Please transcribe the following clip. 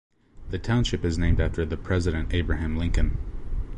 The township is named after the president Abraham Lincoln.